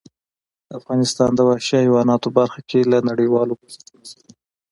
افغانستان د وحشي حیواناتو برخه کې له نړیوالو بنسټونو سره دی.